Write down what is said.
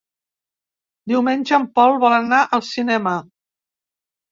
Diumenge en Pol vol anar al cinema.